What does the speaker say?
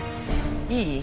いい？